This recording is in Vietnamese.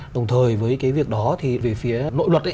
đồng thời với cái việc đó thì về phía nội luật